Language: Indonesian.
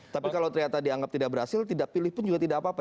tapi kalau ternyata dianggap tidak berhasil tidak pilih pun juga tidak apa apa